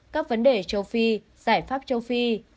các vấn đề châu phi giải pháp châu phi